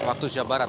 waktu jawa barat